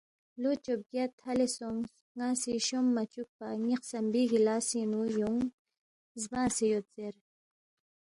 لو چوبگیاد تھالے سونگ ناسی شوم مچکوپا، نی خسمبی گلاسینگ نو یونگ زبانگسے یود زیر